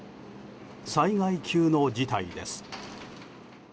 災害級の事態です。